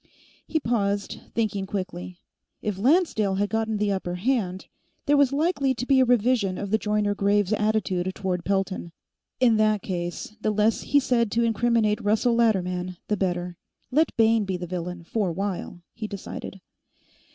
He paused, thinking quickly. If Lancedale had gotten the upper hand, there was likely to be a revision of the Joyner Graves attitude toward Pelton. In that case, the less he said to incriminate Russell Latterman, the better. Let Bayne be the villain, for a while, he decided.